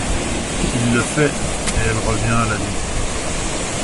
Il le fait, et elle revient à la vie.